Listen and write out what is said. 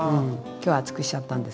今日は厚くしちゃったんですけど。